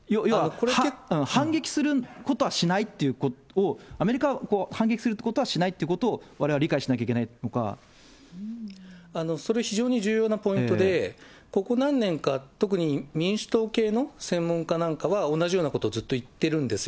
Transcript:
反撃することはしないっていうことを、アメリカは反撃することはしないってことを、われわれは理解しなそれは非常に重要なポイントで、ここ何年か、特に民主党系の専門家なんかは、同じようなことをずっといってるんですよ。